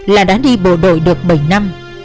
là đã đi bộ đội được bảy năm